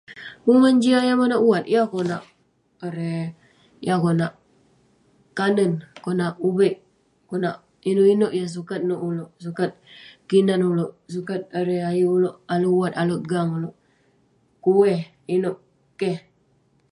Penguman jiak yah monak wat yah konak erei- yah konak kanen, konak uveik, konak inouk-inouk yah sukat nouk ulouk, sukat kinan ulouk. Sukat erei ayuk ulouk ale'erk wat ale'erk gang ulouk. Kueh, inouk. Keh.